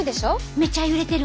めちゃ揺れてる。